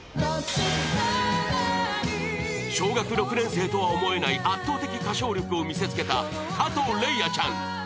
小学６年生とは思えない圧倒的歌唱力を見せつけた加藤礼愛ちゃん。